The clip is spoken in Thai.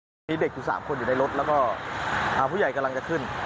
มีเด็กอยู่๓คนอยู่ในรถแล้วก็ผู้ใหญ่กำลังจะขึ้น